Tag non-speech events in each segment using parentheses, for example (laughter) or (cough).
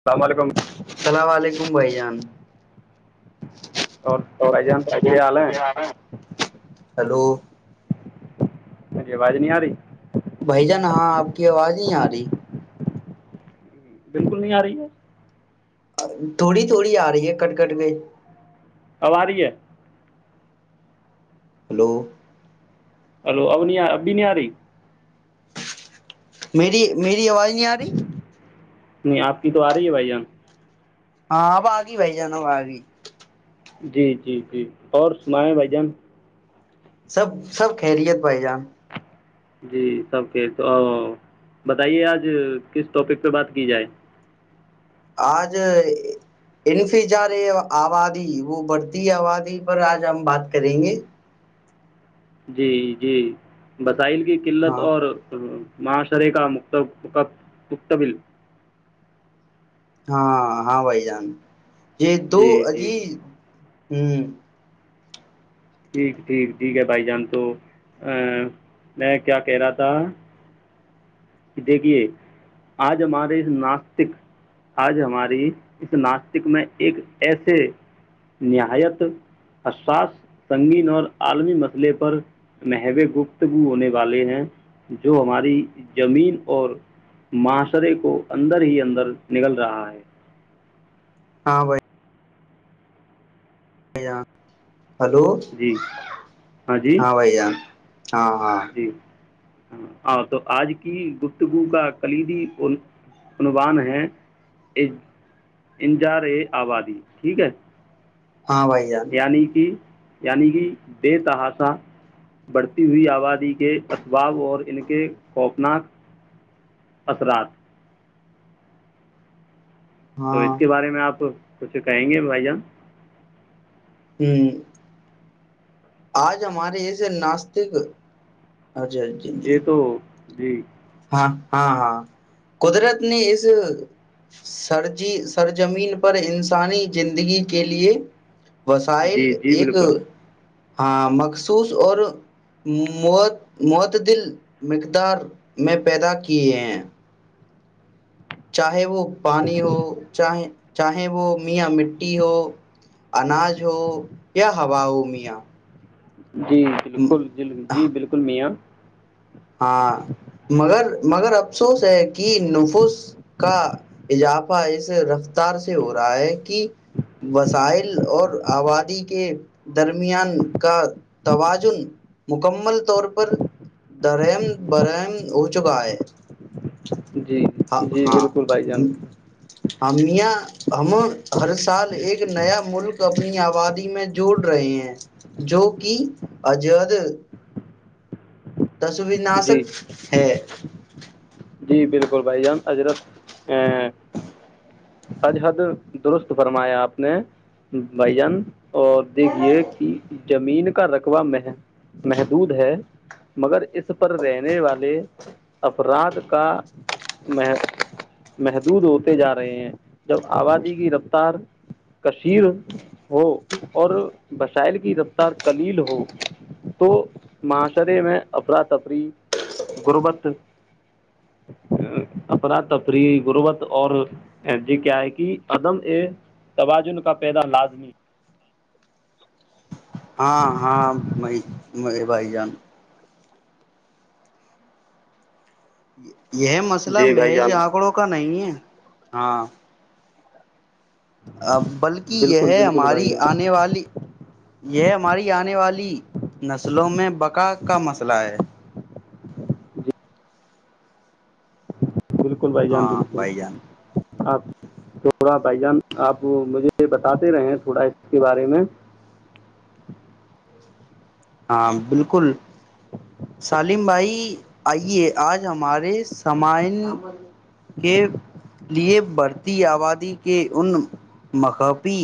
السلام علیکم بائی جان اور بھائی جان کیا حال ہیں ہلو ہج آواز نہیں آ رہی بھائی جان ہاں آپ کی آواز نہیں آ رہی بالکل نہیں آ رہی ہے تھوڑی تھوڑی آ رہی ہے کٹ کٹ گ باریہ ہلو ہلو اب نہیں ابھی نہیں آ رہی میری میری آواز نہیں آ رہی نہیں آپ کی تو آ رہی ہے بھائییاان ہاںب آگی بھائی جانا ب آگئی جی جی جی اور سنائیں بھ جان سب سب خیریت بھائی جان جی سب کے تو بتائیے آج کس ٹاپک پہ بات کی جائے آج انفظار آبادی وہ بڑھتی آبادی پر آج ہم بات کریں گے جی جی بس سائحل کی قلت ہاں اور معاشرے کا م متبل ہاں ہاں بھائی جان یہ دو جی جی عجی ہوں ٹھیک ٹھیک ٹھیک ہے بھائی جان تو میں کیا کہہ رہا تھا دیکھیے آج ہمارے ناستک آج ہماری اس ناستک میں ایک ایسے نہایت حساس سنگین اور عالمی مسئلے پر محوے گفتگو ہونے والے ہیں جو ہماری زمین اور معاشرے کو اندر ہی اندر نگل رہا ہے ہاں بھائی آاں ہلو جی ہاں بھائی جان ہاں ہاں جی ہاں تو آج کی گپتگو کا کلیدی عنوان ہے انجار اے آبادی ٹھیک ہے ہاں بھائی جان یعنی کہ یعنی کہ بے تحاسا بڑھتی ہوئی آبادی کے اسباب اور ان کے خوفناک اثرات تو ہاں اس کے بارے میں آپ کچھ کہیں گے بھائی جان ہ آج ہمارے اس ناسستک ا جی جی جی جی (inaudible) ہاں ہاں ہاں قدرت نے اس سرجی سرزمین پر انسانی زندگی کے لیے وسائل جی جی ایک بالکل ہاں مخصوص اور معتدل مقدار میں پیدا کیے ہیں چاہے وہ پانی ہو چاہ چاہے وہ میاں مٹی ہو اناج ہو یا ہوا ہو میاں جی بالکل ج جی بالکل میاں ہاں مگر مگر افسوس ہے کہ نفس کا اضافہ اس رفتار سے ہو رہا ہے کہ وسائل اور آبادی کے درمیان کا توازن مکمل طور پر درم برم ہو چکا ہے جی ہاں بالکل بھائی جان ہمیاں ہم ہر سال ایک نیا ملک اپنی آبادی میں جوڑ رہے ہیں جو کہ عجد تصوناسک جی ہے جی بالکل بھائی جان اجرت اج حد درست فرمایا آپ نے بھائی جان اور دیکھیے کہ زمین کا رقبہ مح محدود ہے مگر اس پر رہنے والے افراد کا مح محدود ہوتے جا رہے ہیں جب آبادی کی رفتار کشیر ہو اور بشائل کی رفتار کلیل ہو تو معاشرے میں افراتفری غربت اپنا تفریح غربت اور جی کیا ہے کہ عدم ا توازن کا پیدا لازمی ہاں ہاں م م بھائی جان یہ مسئلہ جی بھائی مہیج جان آنکڑوں کا نہیں ہے ہاں بلکہ یہ بالکل ہے بالکل بھائی ہماری جان آنے والی یہ ہماری آنے والی نسلوں میں بقا کا مسئلہ ہے جی بالکل بھائی جان ہاں بالکل بھائی جان آپ تھوڑا بھائی جان آپ مجھے بتاتے رہے تھوڑا اس کے بارے میں ہاں بالکل سالم بھائی آئیے آج ہمارے سامعین کے لیے بڑھتی آبادی کے ان مقفی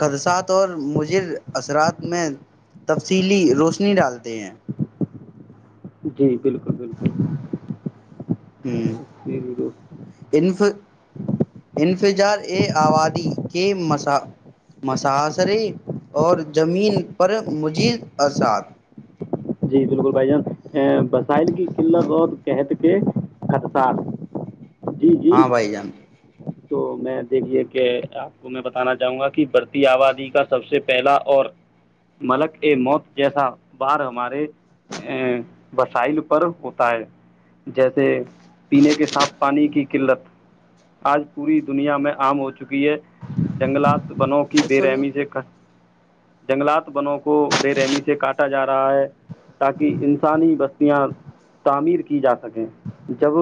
خدشات اور مجر اثرات میں تفصیلی روشنی ڈالتے ہیں جی (inaudible) بالکل ہف انفظار اے آبادی کے مساحصرے اور زمین پر مزید اسات جی بالکل بھائی جان وسائل کی قلت اور قت کے خطشات ہاں بھائی جان تو میں دیکھیے کہ آپ کو میں بتانا چاہوں گا کہ بڑھتی آبادی کا سب سے پہلا اور ملک اے موت جیسا بار ہمارے وسائل پر ہوتا ہے جیسے پینے کے صاف پانی کی قلت آج پوری دنیا میں عام ہو چکی ہے جنگلات تو بناو کہ بے سوچو رحمی سے کر جنگلات بنو کو بے رحمی سے کاٹا جا رہا ہے تاکہ انسانی بستیاں تعمیر کی جا سکیں جب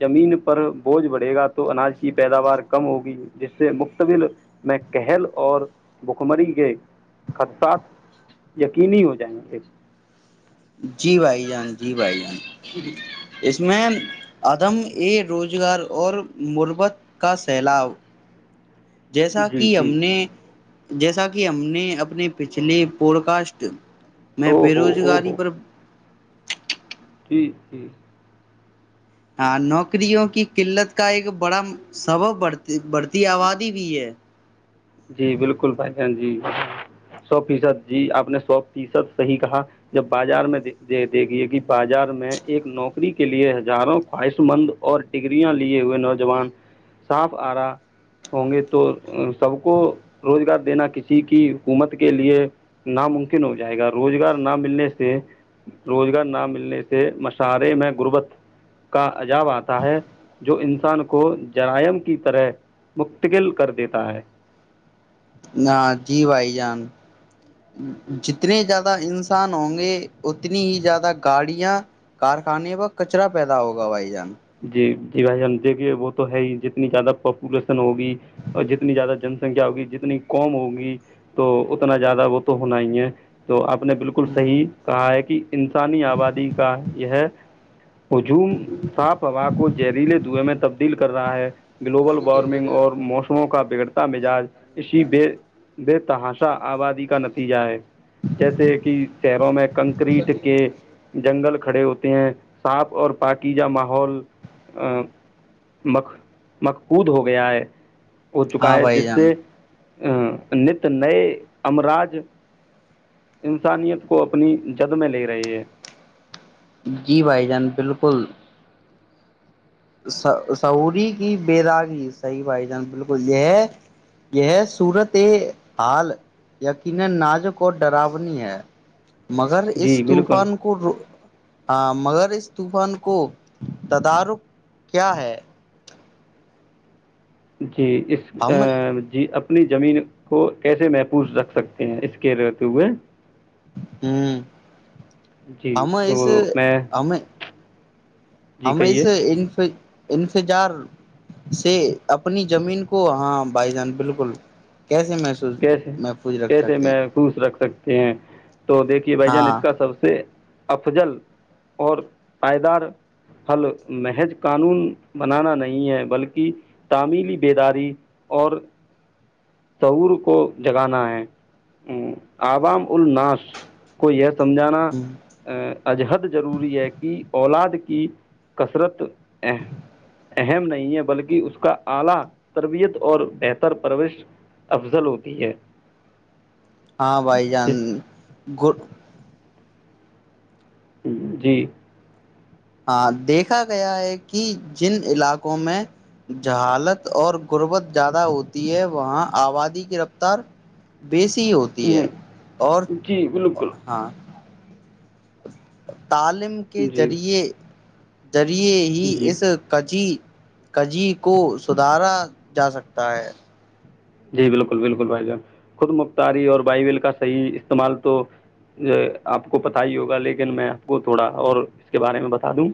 زمین پر بوجھ بڑھے گا تو اناج کی پیداوار کم ہوگی جس سے مقتبل میں قل اور بکمری کے خدشات یقینی ہو جائیں گے جی بھائی جان جی بھائی جان اس میں عدم ا روزگار اور مربت کا سیلاب جیسا جی کہ ہم جی نے جیسا کہ ہم نے اپنے پچھلے پوڈ کاسٹ میں او بے ہو او روزگاری ٹھیک ٹھیک ہاں نوکریوں کی قلت کا ایک بڑا سبب بڑھتی بڑھتی آبادی بھی ہے جی بالکل بھائی جان جی سو فیصد جی آپ نے سو فیصد صحیح کہا جب بازار میں دیکھیے کہ بازار میں ایک نوکری کے لیے ہزاروں خواہش مند اور ڈگریاں لیے ہوئے نوجوان صاف آ رہا ہوں گے تو سب کو روزگار دینا کسی کی حکومت کے لیے ناممکن ہو جائے گا روزگار نہ ملنے سے روزگار نہ ملنے سے مشاعرے میں غربت کا عجاب آتا ہے جو انسان کو جرائم کی طرح متقل کر دیتا ہے ہاں جی بھائی جان جتنے زیادہ انسان ہوں گے اتنی ہی زیادہ گاڑیاں کارخانے پر کچرا پیدا ہوگا بھائی جان جی جی بھائی جان دیکھیے وہ تو ہے ہی جتنی زیادہ پاپولیشن ہوگی اور جتنی زیادہ جن سنکھیا ہوگی جتنی کوم ہوگی تو اتنا زیادہ وہ تو ہونا ہی ہے تو آپ نے بالکل صحیح کہا ہے کہ انسانی آبادی کا یہ اجوم واں کو جہریلے دھویں میں میں تبدیل کر رہا ہے گلوبل وارمنگ اور موسموں کا بگڑتا مزاج اسی بے بے تحاش آبادی کا نتیجہ ہے جیسے کہ شہروں میں کنکریٹ کے جنگل کھڑے ہوتے ہیں سانپ اور پااکی جا ماہول ماح مکود ہو گیا ہے ہو چکا ہاں ہے بھائی جس جان سے نت نئے امراج انسانیت کو اپنی جد میں لے رہے ہے جی بھائی جان بالکل سعوری کی بےیداغی صحیح بھائی جان بالکل یہ یہ صورت حال یقینا نازک اور ڈراونی ہے مگر اس جی بالکل طوفان کو ہاں مگر اس طوفان کو تدارک کیا ہے جچا کہ اس ہم جی اپنی زمین کو کیسے محفوظ رکھ سکتے ہیں اس کے رہتے ہوئے ہوں جی ہمیں تو اسے میں ہمیں جی ہم کہیے ایے انف انتظار سے اپنی زمین کو ہاں بھائی جان بالکل کیسے محسوس کیسے محفوظ رکھ کیسے سکتے ہیں میں خوش رکھ سکتا کے ہیں تو دیکھیے بھائی جان اس ہاں کا سب سے افضل اور پائیدار حل محج قانون بنانا نہیں ہے بلکہ تعمیلی بیداری اور طعور کو جگانا ہے عوام الناس کو یس سمجھانا عجہد ضروری ہے کہ اولاد کے کثرت اہم نہیں ہے بلکہ اس کا اعلی تربیت اور بہتر پرورش افضل ہوتی ہے ہاں بھائی جان جس گوڈ جی ہاں دیکھا گیا ہے کہ جن علاقوں میں جہالت اور غربت زیادہ ہوتی ہے وہاں آبادی کی رفتار بیسی ہوتی ہے اور جی بالکل ہاں (inaudible) تعلیم کے جی ذریعے ذریعے ہی جی اس کچی کجی کو سدھارا جا سکتا ہے جی بالکل بالکل بھائی جان خود مختاری اور بائبل کا صحیح استعمال تو آپ کو پتہ ہی ہوگا لیکن میں آپ کو تھوڑا اور اس کے بارے میں بتا دوں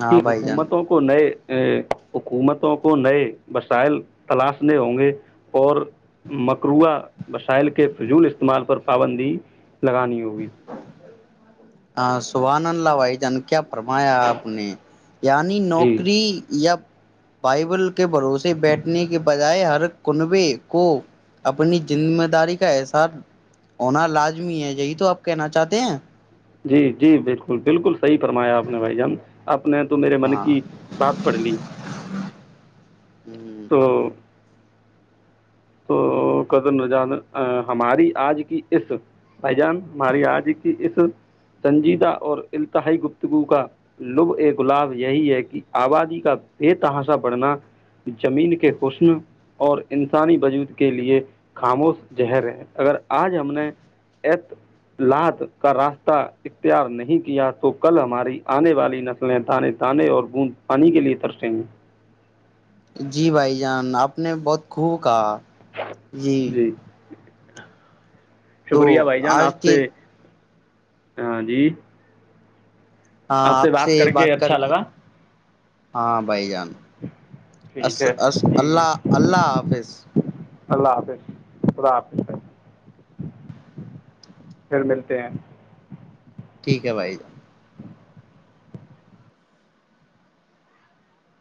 ہاں کہ بھائی جان حکومتوں کو نئے حکومتوں کو نئے وسائل تلاشنے ہوں گے (inaudible) اور مکروعہ وسائل کے فول استعمال پر پابندی لگانی ہوگی ہاں شبھان اللہ بھائی جان کیا فرمایا آپ نے یعنی جی نوکری یا بائبل کے بھروسے بیٹھنے کے بجائے ہر کنبے کو اپنی ذمہ داری کا احساس ہونا لازمی ہے یہی تو آپ کہنا چاہتے ہیں جی جی بالکل بالکل صحی فرمایا آپ نے بھائی جان آپ نے تو میرے من ہاں کی بات پڑھ لی تو تو قر ہماری آج کی اس بھائی جان ہماری آج کی اس سنجیدہ اور التہائی گفتگو کا لب ا گلاب یہی ہے کہ آبادی کا بے تحاشا بڑھنا زمین کے حسن اور انسانی وجود کے لیے خاموش زہر ہے اگر آج ہم نے اطلاات کا راستہ اختیار نہیں کیا تو کل ہماری آنے والی نسلیں تانے تانے اور بوند پانی کے لیے ترسیں گی جی بھائی جان آپ نے بہت خوب کہا جی (inaudible) تو شکریہ بھائی جان آج آپ سے کے ہاں جی آپ سے بات کر کے اچھا لگا ہاں بھائی جان ٹھیک ہے جی اللہ اللہ حافظ اللہ حافظ خدا حافظ پھر ملتے ہیں ٹھیک ہے بھائی جان